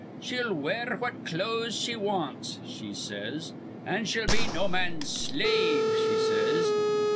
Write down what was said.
She'll wear what clothes she wants,' she says, 'an' she'll be no man's slave,' she says.